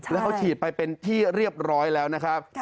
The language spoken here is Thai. แล้วเขาฉีดไปเป็นที่เรียบร้อยแล้วนะครับ